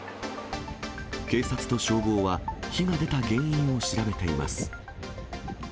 警察と消防は、火が出た原因を調べています。